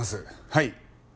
はい。